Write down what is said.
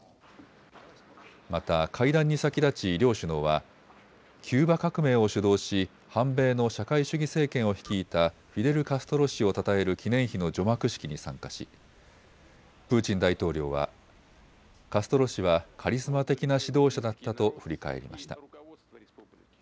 また会談に先立ち両首脳は、キューバ革命を主導し、反米の社会主義政権を率いたフィデル・カストロ氏をたたえる記念碑の除幕式に参加しプーチン大統領はカストロ氏はカリスマ的な指導者だったと振り返りました。